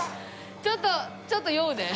ちょっとちょっと酔うね。